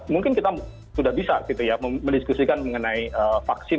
mungkin kita sudah bisa gitu ya mendiskusikan mengenai vaksin